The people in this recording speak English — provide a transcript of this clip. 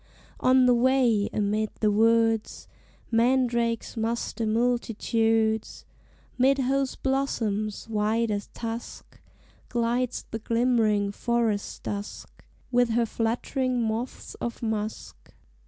On the way, amid the woods, Mandrakes muster multitudes, 'Mid whose blossoms, white as tusk, Glides the glimmering Forest Dusk, With her fluttering moths of musk.